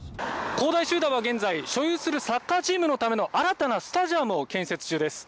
恒大集団は現在、所有するサッカーチームのための新たなスタジアムを建設中です。